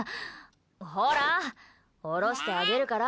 ほら、下ろしてあげるから。